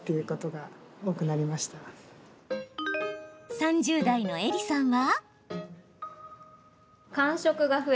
３０代のエリさんは？